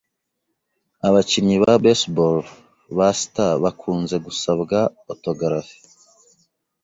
Abakinnyi ba baseball ba Star bakunze gusabwa autografi.